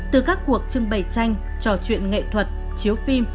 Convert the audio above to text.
từ các cuộc trưng bày tranh trò chuyện nghệ thuật chiếu phim